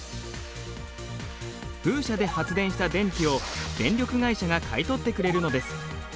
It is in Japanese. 風車で発電した電気を電力会社が買い取ってくれるのです。